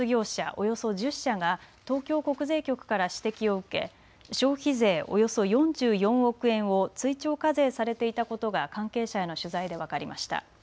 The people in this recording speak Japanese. およそ１０社が東京国税局から指摘を受け、消費税およそ４４億円を追徴課税されていたことが関係者への取材で分かりました。